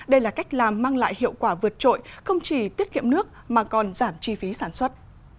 đây là cách làm mang lại hiệu quả vượt trội không chỉ tiết kiệm nước mà còn giảm chi phí sản xuất